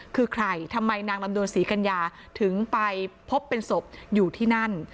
คือใครทำไมนางลำดวนศรีกัญญาถึงไปพบเป็นศพอยู่ที่นั่น